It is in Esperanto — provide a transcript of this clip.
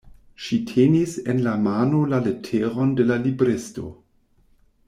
Ŝi tenis en la mano la leteron de la libristo.